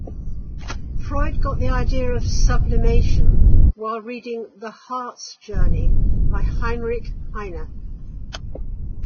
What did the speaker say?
Freud got the idea of sublimation while reading "The Harz Journey" by Heinrich Heine.